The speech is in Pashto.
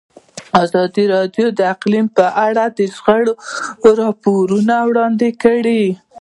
ازادي راډیو د اقلیم په اړه د شخړو راپورونه وړاندې کړي.